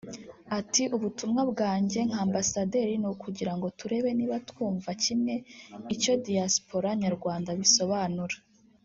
Ati "Ubutumwa bwanjye nka Ambasaderi ni ukugira ngo turebe niba twumva kimwe icyo Diaspora Nyarwanda bisobanura